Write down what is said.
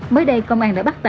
mới đây công an đã đặt tài sản